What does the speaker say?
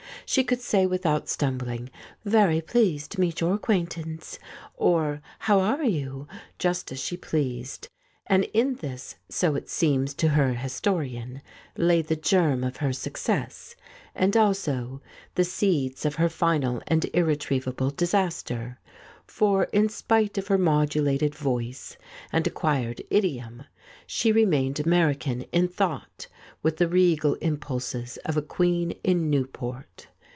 She could say without stumbling, "Very pleased to make your acquaintance," or "How are you ?" just as she pleased. And in this, so it seems to her historian, lay the germ of her success, and also the seeds of her final and irretrievable disaster, for in spite of her modulated voice and acquired idiom, she remained American in thought, with the regal impulses of a queen in Newport.